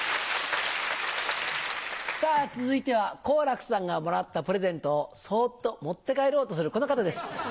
さぁ続いては好楽さんがもらったプレゼントをそっと持って帰ろうとするこの方です。